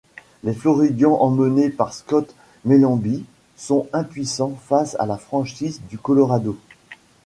Les floridiens emmenés par Scott Mellanby sont impuissants face à la franchise du Colorado.